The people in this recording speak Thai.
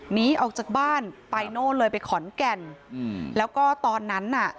หนีออกจากบ้านไปโน่นเลยไปขอนแก่นอืมแล้วก็ตอนนั้นน่ะ